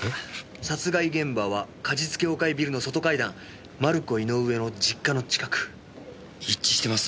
「殺害現場は果実協会ビルの外階段」「マルコ・イノウエの実家の近く」一致してます。